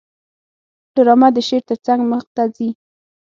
ډرامه د شعر ترڅنګ مخته ځي